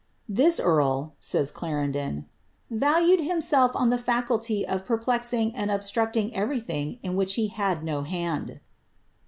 ^ This earl,^ nys Clarendon, ^ valued himself on the faculty of peiplexinff and obstract ing ever}'thing in which he had no hand.'